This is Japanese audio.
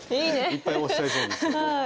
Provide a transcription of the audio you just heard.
いっぱい押しちゃいそうですよね。